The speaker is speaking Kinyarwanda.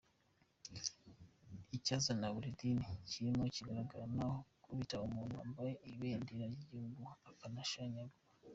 icyazanye buri dini kirimo kigaragara naho gukubita umuntu wambaye ibendera ry’igihugu ukanashanyura.